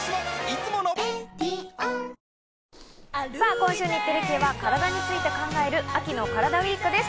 今週、日テレ系はカラダについて考える秋のカラダＷＥＥＫです。